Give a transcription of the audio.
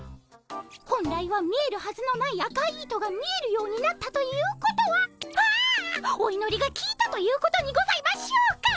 本来は見えるはずのない赤い糸が見えるようになったということはああおいのりがきいたということにございましょうか。